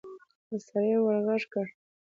سړي ورغږ کړ.